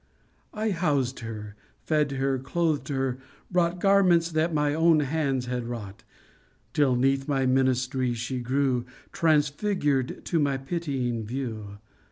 I housed her, fed her, clothed her, brought Garments that my own hands had wrought ; Till, 'neath my ministries, she grew Transfigured to my pitying view.